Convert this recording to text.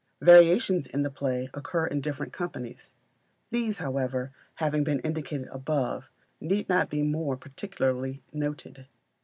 Variations in the play occur in different companies. These, however, having been indicated above, need not be more particularly noted.